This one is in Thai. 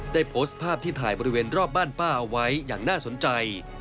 ได้โพสต์ภาพที่ถ่ายบริเวณรอบบ้านป้าเอาไว้อย่างน่าสนใจ